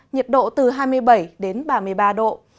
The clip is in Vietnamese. nhiệt độ từ hai mươi bảy đến ba mươi ba độ